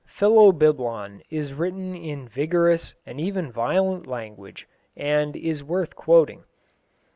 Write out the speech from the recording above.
Philobiblon is written in vigorous and even violent language, and is worth quoting.